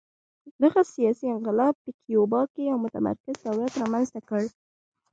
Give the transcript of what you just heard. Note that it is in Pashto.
دغه سیاسي انقلاب په کیوبا کې یو متمرکز دولت رامنځته کړ